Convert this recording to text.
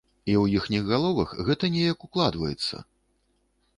І ў іхніх галовах гэта неяк укладваецца.